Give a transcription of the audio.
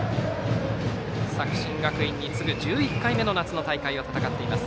作新学院に次ぐ１１回目の夏の大会を戦っています。